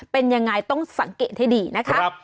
เป็นยังไงต้องสังเกตให้ดีนะคะ